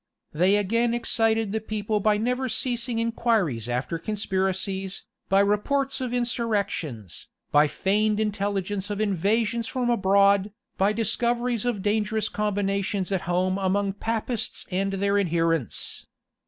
They again excited the people by never ceasing inquiries after conspiracies, by reports of insurrections, by feigned intelligence of invasions from abroad, by discoveries of dangerous combinations at home among Papists and their adherents.